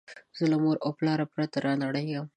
زه له موره او پلاره پرته رانړېږم